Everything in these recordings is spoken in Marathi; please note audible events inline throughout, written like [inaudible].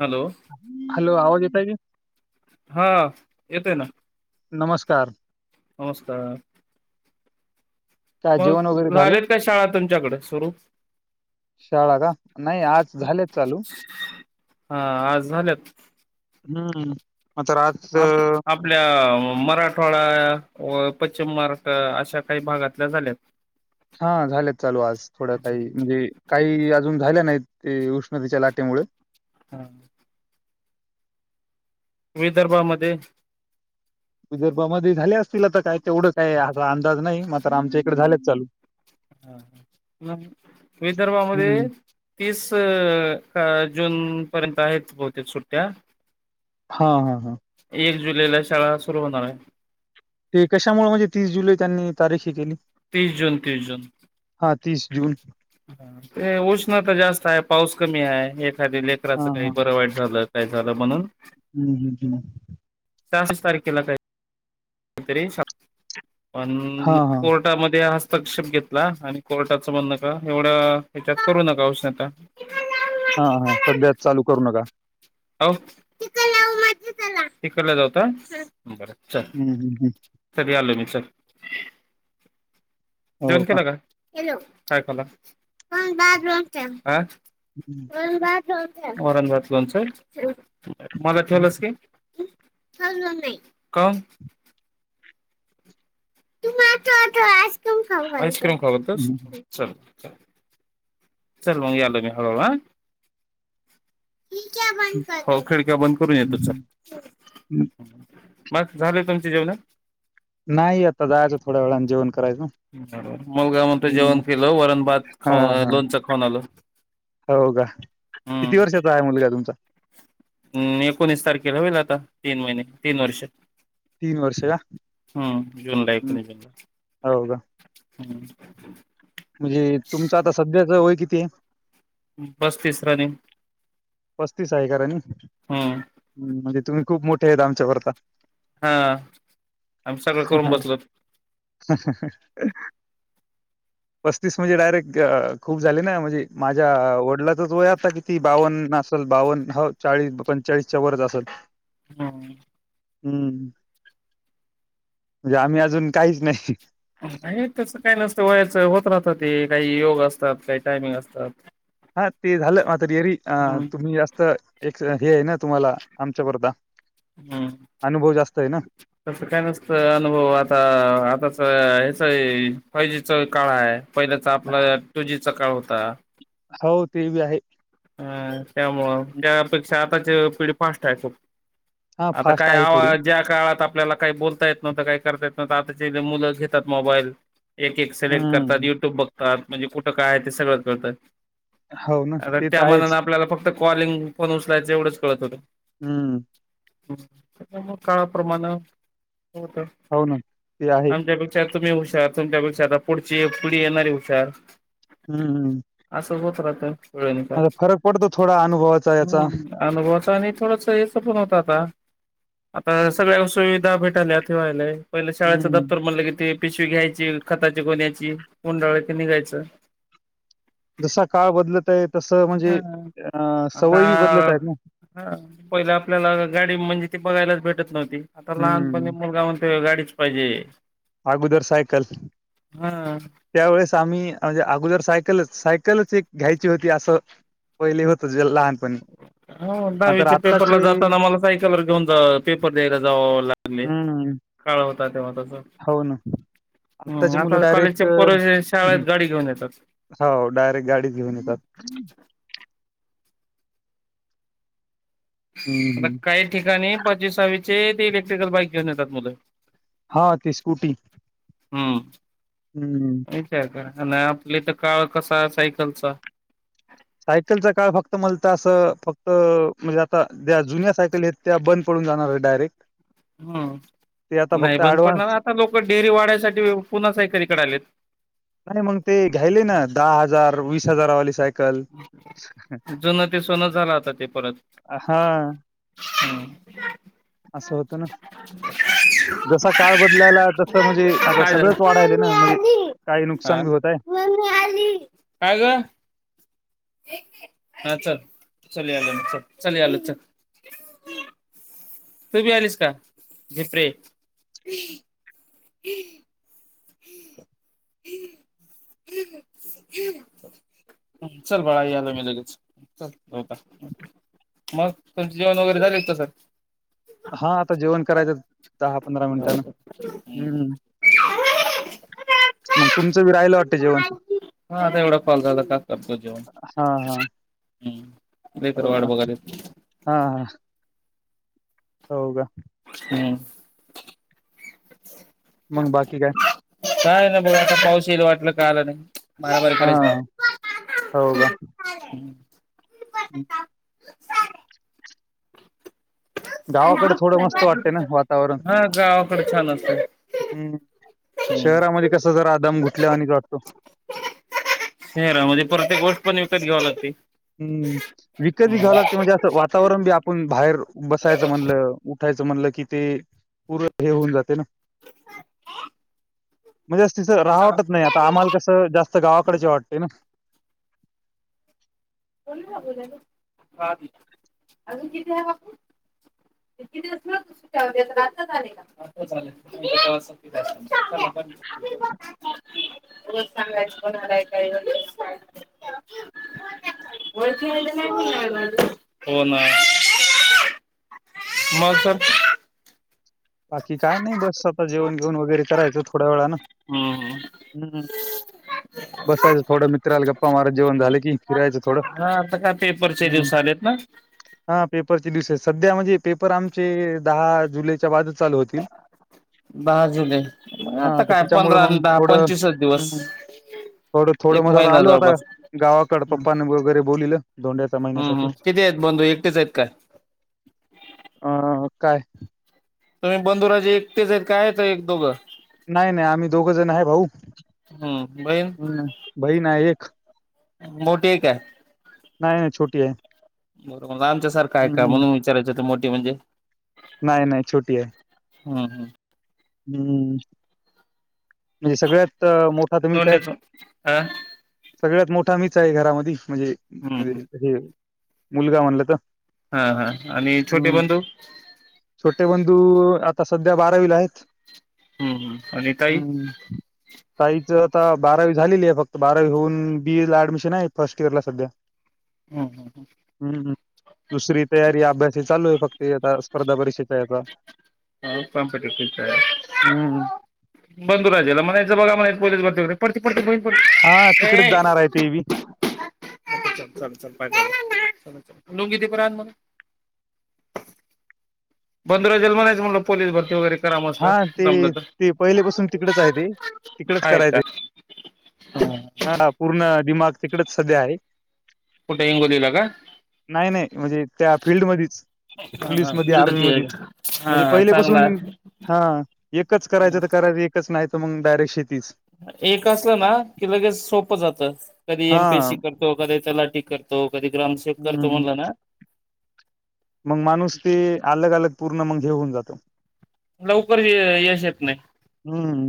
Hello hello! आवाज [unintelligible] हा येतोय ना. नमस्कार. नमस्कार. काय जेवण मग वगैरे झालं. झालेत काय शाळा तुमच्याकडे सुरू शाळा का? नाही आज झाले चालू. हा आज झाल्यात. हम्म. मग तर आज आप अं, आपल्या मराठवाडा व पश्चिम महाराष्ट्र अशा काही भागातल्या झाल्यात हा झाल्यात चालू आज थोड काही म्हणजे काही अजून झाल्या नाहीत ते उष्णतेच्या लाटेमुळे हा. विदर्भामध्ये विदर्भामध्ये झाले असतील आ तर काय तेवढं काय हा अंदाज नाही मात्र आमच्या इकडे झाले चालू म विदर्भामध्ये हम्म तीस जून पर्यंत आहेत बहुतेक सुट्ट्या हा हा. हा [unintelligible] जुलैला शाळा सुरू होणार आहे ते कशामुळे म्हणजे तीस जुलै त्यांनी तारीखी केली तीस जून, तीस जून हा तीस जून ते उष्णता जास्त हाय पाऊस कमी हाय कधी हा लेकराच काही हा बरं वाईट झालं - झालं म्हणून हम्म हम्म हम्म. तारखेला का तरी [inaudible] हा पण हा कोर्टामध्ये हस्तक्षेप घेतला आणि कोर्टाचं म्हण नका एवढ्या हच्यात करू नका उष्णता हा हा सध्या चालू करू नका काऊ [unintelligible] जाऊ का- हम्म हम् हम् यालं मी चल जेवन केला का? केलो [unintelligible] हा हम्म [unintelligible] वरण भात लोणचं, हम. मला ठेवलास की [unintelligible] का? तू मा आ आज आईस्क्रीम खऊ, आईस्क्रीम होतस, हम्म हम्म. चल चल मग याल मी हळू हळू आ खिडक्या बंद कर हो खिडक्या बंद करून येतो. हम्म. चल मग झालं तुमची जेवण? नाही आता जायच थोड्या वेळाने जेवण करायचं. मुलगा म्हणतोय हम्म. जेवण केलं वरण भात हा खाऊ हा लोणच खाऊन आलो. हो का हम. किती वर्षाचा आहे मुलगा तुमचा हम एकोणीस तारखेला ला होईल आता तीन महिने, तीन वर्ष तीन वर्ष का हम. जुनला हम्म. एकोणिसाला हम [inaudible] मजे तुमचं आता सध्याच वय किती? ते पस्तीस रनिंग पस्तीस आहे का रनिंग? हम्म म्हणजे तुम्ही खूप मोठे आहेत, आच्या बरका. हा आम्ही सगळं करून बसलोत. ह. ह. ह. पस्तीस म्हणजे डायरेक्ट अ खूप झाले ना म्हणजे, माझ्या वडलाचाच वय आता किती बावन्न असल, बावन्न ह चाळीस पंचेचाळीसच्या वरच असल. हम. हम, म्हणजे आम्ही अजून काहीच नाही. नाही तसा काही नसतं वयाचं होत राहत. ते काही योग असतात. काय टायमिंग असतात. हा ते झालं रिअली अ हम्म तुम्ही जास्त एक हे आहे ना तुम्हाला आमच्या वरचा हम तस काय नसत. अनुभव आता आताचा फायजी चा काळ आहे पहिल्याचा आपला टूजी चा काळ होता हो ते बी आहे हा त्यामूळ त्यापेक्षा पिढी फास्ट आहे खूप हां, आता फास्ट काय आहे आव थोडी. ज्या काळात आपल्याला काही बोलता येत नव्हं काही करता येत नव्हत आता जेथ मुलं तिथंच मोबाईल एक एक सिलेक्ट करतात हम्म. युट्यूब बघतात म्हणजे कुठं काय आहे ते सगळंच करळतं होना ते तर त्या मनान आहेच. आपल्याला फक्त फक्त कॉलिंग फोन उचलायच एवढंच कळत होतं हम त्यांच्या मूळ काळाप्रमाण होत हो ना, ते आहे. आमच्यापेक्षा [unintelligible] तुम्ही हुशार तुमच्यापेक्षा आता पुढची पीडी येणारी हुशार हं. असंच होत रा हो का फरक पडतो थोडा अनुभवाचा याचा अनुभवाचा आणि थोडस हेच पण होत आता आता सगळ्या सुविधा भेटायल्यावा्हायला पहिले शाळेचं हं. दप्तर म्हणलं कि ते पिशवी घ्यायची खताची गन्याची गुंडाळायचं निघायचं जसा काळ बदलत आहेत ह आता बदलत आहेत ना. पहिले आपल्याला गाडी म्हणजे बघायला भेटत नाही आता लहानपणी हं. मुलगा म्हणतो गाडी पाहिजे अगोदर सायकल हा त्यावेेळेस आम्ही म्हणजे अगोदर सायकलच सायकलच एक घ्यायची होती असं पहिले होत हा दहावीच्या आत्ताचे पेपरला जाताना मला सायकलवर घेऊन जा पेपर द्यायला जाव लागले हं. काळ तेव्हा तसं हो ना हं, आत्ताची मुलं आता डायरेक्ट कॉलेजच्या पोर शाळेत गाडी घेऊन येतात हो डायरेक्ट गाडीत घेऊन येतात हं, हं. आता काही ठिकाणी पचवीसावीस ते इलेक्ट्रिकल बाईक घेऊन येतात मु हा ते स्कूटी हम्म हम्म विचार करा आणि आपली तर काळ कसा आहे सायकलचा सायकलचा काळ फक्त मलातर असं फक्त म्हणजे त्या्या जुन्या सायकल आहेत त्या बंद पडून जाणार आहे डायरेक्ट ते आता हम्म नाही फक्त बंद पडणार ऍडव्हान्स आता लोक डेरी वाढायसाठी पुन्हा सा एककरीकडे आलेत नाही मग ते स जुनं ते सोनं झाला होता ते परत हा हम् असं होत ना जसा काळ बदलायला तसं म्हणजे आता काय झालं? सगळंच वाढायल ना म्हणजे काही हा. नुकसान बी होतय मम्मी आली. काय ग हा चल ल आलं ना च ल आलं च तूबी आलीस का झिप्रे हम् चल बाळा आलो मी लगेच च होता मग तुमचे जेवण वगैरे झाले होत सर हा आता जेवण करायचं दहा पंधरा हा मिनिटांने हम्म [unintelligible] पप्पा, मग तुमचं बी राहिलं वाटतं जेवण [unintelligible] हां आता एवढा काॅल झाला का करतो जेवण, हा हा हं लेकरं हो वाट का बघत असतील. हा हा हो का हम्म मंग बाकी काय? काय ना [unintelligible] बघ आता पाऊस येईल वाटलं, का आला नाही. [unintelligible] बराबर हा करायच नाही. हम् [unintelligible] गावाकडे थोडं मस्त वाटतय ना वातावरण. हा गावाकडे छान असत हम् हम्म शहरामध्ये कस जरा दम गुठल्यावाणीच वाटतो. शहरामध्ये प्रतेक गोष्ट पण विकत घ्याव लागते. हं, विकत बी घ्यावं हम्म. लागते, म्हणजे असं वातावरण बी आपण बाहेर बसायचं म्हणलं उठायचं त म्हणलं की ते, पूर हे होऊन जाते ना म्हणजेच तिथं राहाव वाटत नाही, आता आम्हाला कसं जास्त गावाकडच यावं वाटते ना. [unintelligible] [unintelligible] अजून किती आहे [unintelligible] आताच आले का [unintelligible] उगाच सांगायचय कोण आलंय काय नाही आले [unintelligible] हो ना [unintelligible] मग तर बाकी काय नाही बस आता जेवण घेऊन वगैरे करायचं थोड्या वेळा ना, हम्म हम् बसायचं थोडं मित्र आला गप्पा मारत जेवण झाले कि फिरायचं थोडं, हा आता काय पेपरचे हम् दिवस आलेत ना हां पेपरचे दिवस आहेत सध्या म्हणजे पेपर आमचे दहा जुलै [unintelligible] चालू होतील, दहा जुलै मग हां आता तर काय त्याच्यामुळे पंधरा मग आणि दहा थोडं, पंचवीसच दिवस हं, थोडं एक मंग जरा महिना आलो आता जवळपास गावाकडं हम्म पप्पाने वगैरे बोलीवलं धोंड्याच्या महिन्यासाठी. हम्म किती आहेत बंधू एकटेच आहेत काय अं काय तुम्ही बंधुराजे एकटेच आहेत काय? त एक दोघं नाही नाही आम्ही दोघ जण आहे भाऊ, हम्म बहीण हं बहीण आहे एक मोठी एक आहे. नाही नाही छोटी आहे. [unintelligible] आमच्या सारखं आहे का हम्म म्हणून विचारयचं होत मोठ ते म्हणजे नाही नाही छोटी आहे. हम् हम् हम्म म्हणजे सगळ्यात मोठा तुम्हीच आहे. दोंड्याच हा सगळ्यात मोठा मीच आहे घरामधी म्हणजे हम्म म्हण हम्म हे मुलगा म्हणलं तर हां हां आणि [inaudible] छोटे हम्म बंधू छोटे बंधू सध्या बारावीला आहेत हम्म हम्म आणि [inaudible] ताई ताईचं आता बारावी झालेली आहे फक्त बारावी होऊन बीएला ऍडमिशन आहे फर्स्ट इयर ला सध्या. हम्म हम्म हम्म दुसरी तयारी अभ्यास- चालू आहे फक्त ते आता स्पर्धा परीक्षेच्या याचा- हम्म [unintelligible] बंधु राजेना म्हणायाच बघा म्हना पोलीस भरती वगैरे [unintelligible] हा तिकडेच ये जाणार आहे ते बी चाल चाल पाहिजे लोंगी दे बर अण मला पंधरा जेल म्हणायच मला पोलीस भरती वगैरे. करा मस्त हा ते जमलं तर. ते पहिलेपासून तिकडेच आहे ते तिकडेच आहेत का करायचं. ह पूर्ण दिमाग तिकडच. सध्या आहे कुठे हिंगोलीला का? नाही नाही म्हणजे त्या फिल्ड मधीच हा पोलीस हा मध्ये, फिल्ड आर्मी ती आहे मध्येच, का? म्हणजे हा पहिले चांगला पासून आहे हा एकच करायचं तर करायच एकच नाही. मग डायरेक्ट शेतीच. एक कस ना! लगेच सोपं जातं कधी हा एमपीएससी करतो कधी तलाठी करतो. कधी ग्रामसेवक करतो हम्म म्हणला ना? मग माणूस ते अलग -अलग पूर्ण मग घेऊन जातं. लवकर यश येत नाही. हम्म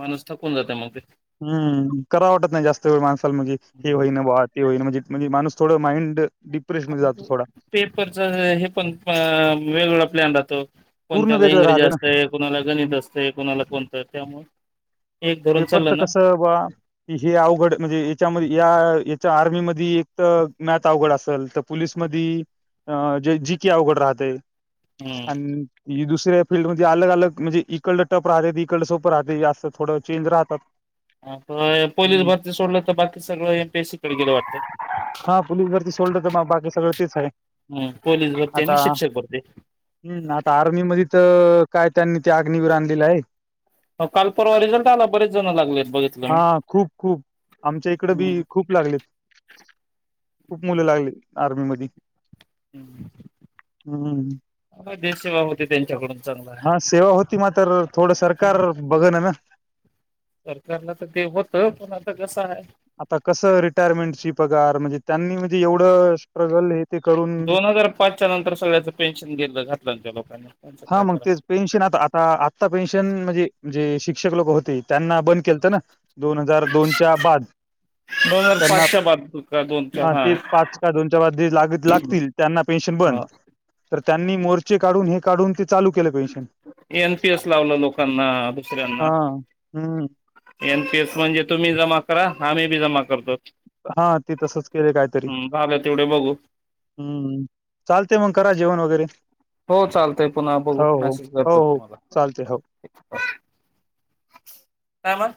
माणूस थकून जाते मग ते. हम्म करा वाटत नाही जास्त वेळ माणसाला म्हणजे ही होई ना बुवा ती होईन म्हणजे म्हणजे माणूस थोडं माइंड डिप्रेशन मध्ये जातो थोडा. पेपरच हे पण वेगळं- आपल्यातो. पूर्ण कोणत्याला वेगळं इंग्रजी राहते ना. असतय कोणाला गणित असतय कोणाला कोणतं त्यामुळ पेपर तर कस बा की हे अवघड म्हणजे याच्यामध्ये या! आर्मी मधी एक तर मॅथ अवघड असेल तर पोललीस मध जीकी अवघड राहते. हम्म अन्. दुसऱ्या फीलल्डमध्ये अलग- अलग म्हणजे इकडलं टप राहतेात इकडं सोपं राहते असं. थोडं चेंज राहतात. पोलीस हम्म. भरती सोडलं तर बाकी सगळं एमपीएस सी कडे गेलं वाटत हा पोलीस भरती सोडलं तर मग बाकी सगळं तेच आहे. हम्म पोलीस भरती आता आणि शिक्षक भरती. हम्म आता आर्मी मध्ये तर काय त्यांनी ते अग्निवर आणलेलं आहे. अ काल परवा रिझल्ट आला बरेच जण लागलेत बघितलं मी हा खूप खूप आमच्या इकडं हम्म बी खूप लागलेत, खूप मुलं लागली. आर्मी मध्ये हम्म. हम्म देशसेवा होते त्यांच्याकडून. चांगला आहे. हा सेवा होती मातर थोडं सरकार बघ ना ना. सरकारला ते होतं पण आता कसं आहे. आता कसं रिटायरमेंटची पगार म्हणजे त्यांनी म्हणजे एवढं स्ट्रगलय. दोन हजार पाचच्या नंतर सगळ्याचं पेन्शन गेलं [unintelligible] [inaudible] हा मग करा तेच पेन्शन आता आता आत्ता पेन्शन म्हणजेे जे शिक्षक लोकं होती. त्यांना बंद केलतं ना दोन हजार दोनच्या बाद दोन हजार त्यांना पाचच्या बाद का दोनच्या हा तेच पाच का दोनच्या बाद लागतील त्यांना पेन्शन बंद हा तर त्यांनी मोर्चे काढून हे. काढून ते चालू केलं पेन्शन एनपीएस लावला लोकांना हा दुसऱ्यांना हम्म एनपीएस म्हणजे तुम्ही जमा करा आम्ही बी जमा करतो. हा ते तसंच केले कायतरी हम्म झालं तेवढे बघू हम्म चालते मग करा जेवण वगैरे. हो चालतंय पुन्हा हो, बघू हो. मेसेज हो, करतो हो. तुम्हाला चालते हो. काय म